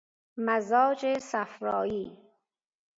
مزاج صفرایی